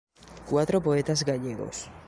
Cuatro poetas gallegos.